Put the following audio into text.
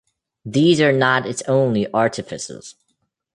These are not its only artifices.